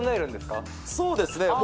そうですね。